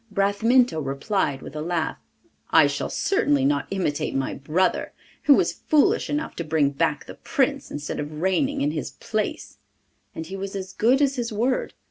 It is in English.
Bramintho replied with a laugh: 'I shall certainly not imitate my brother, who was foolish enough to bring back the Prince instead of reigning in his place,' and he was as good as his word.